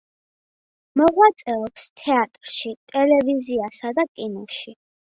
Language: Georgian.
მოღვაწეობს თეატრში, ტელევიზიასა და კინოში.